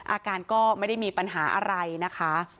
อาการก็ไม่ได้มีปัญหาอะไรนะคะ